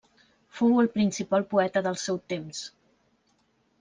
Fou el principal poeta del seu temps.